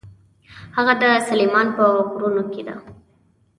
هغه د سلیمان په غرونو کې ده.